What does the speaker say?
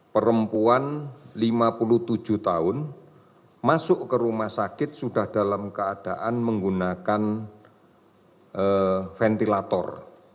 perempuan lima puluh tujuh tahun masuk ke rumah sakit sudah dalam keadaan menggunakan ventilator